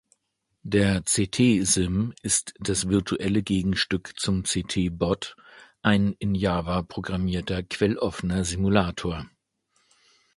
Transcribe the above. Der c’t-Sim ist das virtuelle Gegenstück zum c’t-Bot, ein in Java programmierter, quelloffener Simulator.